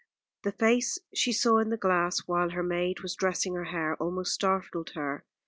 The face she saw in the glass while her maid was dressing her hair almost startled her.